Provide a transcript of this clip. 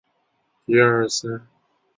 乾隆十三年戊辰科进士。